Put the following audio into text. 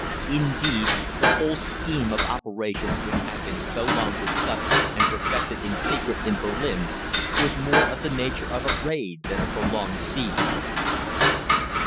Indeed, the whole scheme of operations which had been so long discussed and perfected in secret in Berlin was more of the nature of a raid than a prolonged siege.